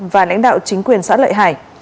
và lãnh đạo chính quyền xã lợi hải